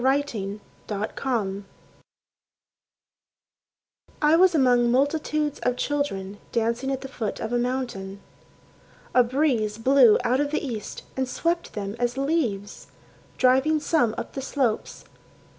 Elijah Browning I was among multitudes of children Dancing at the foot of a mountain. A breeze blew out of the east and swept them as leaves, Driving some up the slopes.